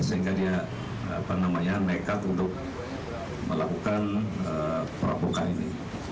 sehingga dia apa namanya nekat untuk melakukan perapukan ini